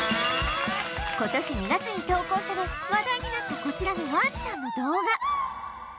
今年２月に投稿され話題になったこちらのワンちゃんの動画